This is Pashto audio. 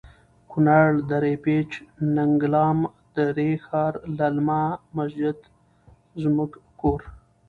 کنړ.دره پیج.ننګلام.دری ښار.للمه.مسجد زموړږ کور